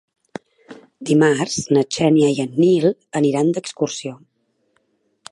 Dimarts na Xènia i en Nil aniran d'excursió.